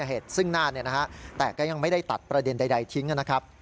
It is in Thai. เหตุซึ่งนั้นแต่ก็ยังไม่ได้ตัดประเด็นใดทิ้งนะครับ